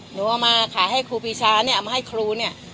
หนูเอามาขายให้ครูปีชาเนี่ยเอามาให้ครูเนี่ย